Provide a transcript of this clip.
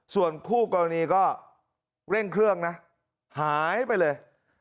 ส่วนคู่กรณีก็เร่งเครื่องนะหายไปเลย